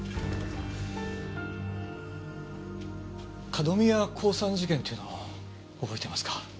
角宮興産事件というのを覚えてますか？